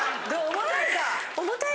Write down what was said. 重たいか？